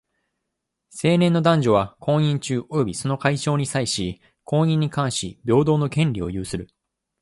成年の男女は、婚姻中及びその解消に際し、婚姻に関し平等の権利を有する。